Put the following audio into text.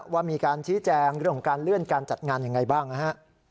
ว่ามีการชี้แจงเรื่องของการเลื่อนการจัดงานยังไงบ้างนะฮะ